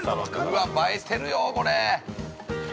◆わっ、映えてるよ、これ。